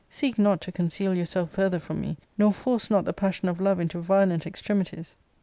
Seek not to conceal your self further from me, nor force not the passion of love into violent extremities."